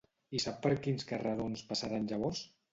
I sap per quins carrerons passaren llavors?